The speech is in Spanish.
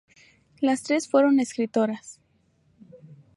Las tres fueron escritoras.